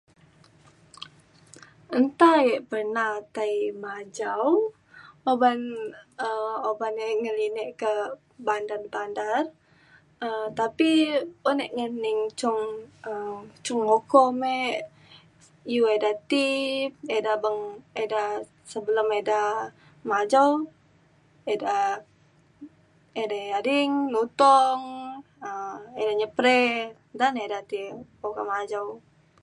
nta e pernah tai majau uban um uban e ngelinek kak bandar bandar um tapi un e ngening cung um cung uko me iu ida ti. ida beng ida sebelum ida majau ida edei ading lutong um ida nyepre da na ida ti okak majau.